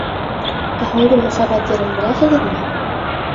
Ә «Һуңғы мөхәббәт» йырын беләһегеҙме?